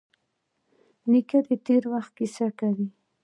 نیکه د تېر وخت کیسې کوي.